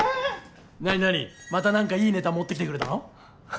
何何また何かいいネタ持ってきてくれたの？